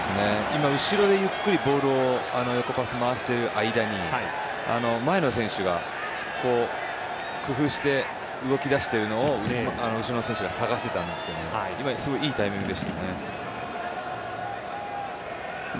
今、後ろでゆっくりボールを横パス回している間に前の選手が工夫して動き出しているのを後ろの選手が探していたんですが今、いいタイミングでした。